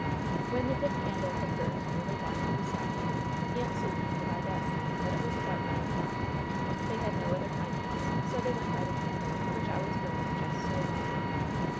When the dip candle had burned nearly down to the socket Aunt Sukey knew by that sign that it was about nine o'clock. They had no other timepiece, so they went by the candle, which always burned just so long.